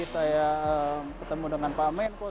saya ketemu dengan pak menko